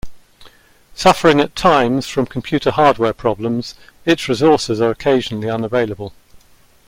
Suffering at times from computer hardware problems, its resources occasionally are unavailable.